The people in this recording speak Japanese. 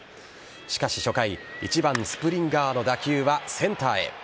しかし、初回１番・スプリンガーの打球はセンターへ。